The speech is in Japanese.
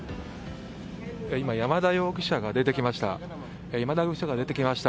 今、山田容疑者が出てきました。